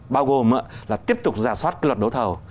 bao gồm là tiếp tục giả soát cái luật đấu thầu